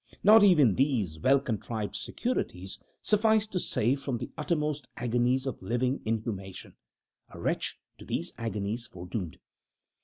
Not even these well contrived securities sufficed to save from the uttermost agonies of living inhumation, a wretch to these agonies foredoomed!